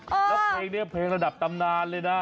แล้วเพลงนี้เพลงระดับตำนานเลยนะ